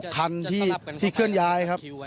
คันที่เคลื่อนย้ายครับ